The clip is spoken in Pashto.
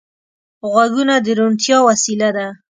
غوږونه د روڼتیا وسیله ده